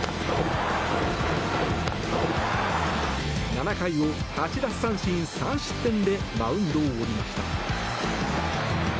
７回を８奪三振３失点でマウンドを降りました。